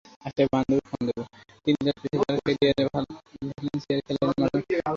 তিনি তার পেশাদার ক্যারিয়ার ভালেনসিয়ায় খেলার মাধ্যমে শুরু করেন, যেখানে তিনি প্রধানত ভালেনসিয়া সংরক্ষিত দলে খেলতেন।